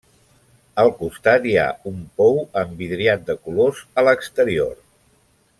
Al costat hi ha un pou amb vidriat de colors a l'exterior.